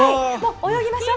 泳ぎましょう。